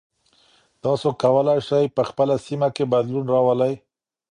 تاسو کولای سئ په خپله سیمه کې بدلون راولئ.